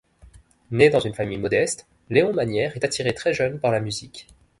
Né dans une famille modeste, Léon Manière est attiré très jeune par la musique.